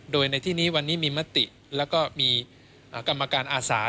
โดยในที่นี้วันนี้มีมติแล้วก็มีกรรมการอาสา